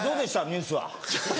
ニュースは。